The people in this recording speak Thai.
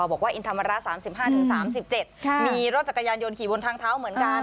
บอกว่าอินธรรมระ๓๕๓๗มีรถจักรยานยนต์ขี่บนทางเท้าเหมือนกัน